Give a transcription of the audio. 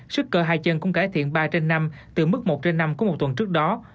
sức cơ hai chân cũng cải thiện ba trên năm từ mức một trên năm của một tuần trước đó